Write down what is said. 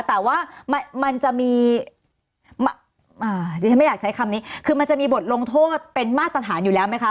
แต่ว่ามันจะมีบทลงโทษเป็นมาตรฐานอยู่แล้วไหมคะ